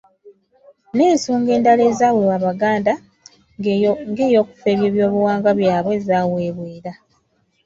N’ensonga endala ezaweebwa Abaganda ng’eyokufeebya ebyobuwangwa byabwe zaaweebwa era